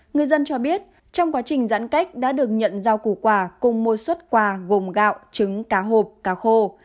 người dân cho biết trong quá trình giãn cách đã được nhận giao củ quà cùng mua xuất quà gồm gạo trứng cá hộp cá khô